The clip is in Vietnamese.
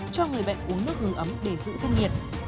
cho người bệnh uống nước hướng ấm để giữ thân nhiệt